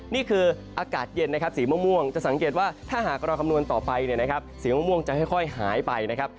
นี่คืออากาศเย็นนะครับสีม่วงจะสังเกตว่าถ้าหากเราคำนวณต่อไปเนี่ยนะครับสีม่วงจะค่อยหายไปนะครับ